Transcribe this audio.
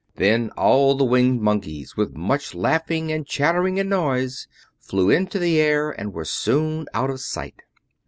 Then all the Winged Monkeys, with much laughing and chattering and noise, flew into the air and were soon out of sight.